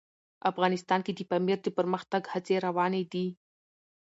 افغانستان کې د پامیر د پرمختګ هڅې روانې دي.